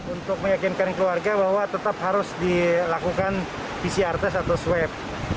untuk meyakinkan keluarga bahwa tetap harus dilakukan pcr test atau swab